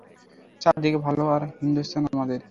চারদিকে ভালো আর হিন্দুস্তান আমাদের।